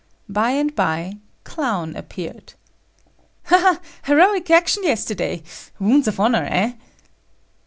By and by, Clown appeared. "Ha, heroic action yesterday. Wounds of honor, eh?"